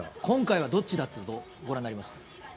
今回はどっちだとご覧になりましたか？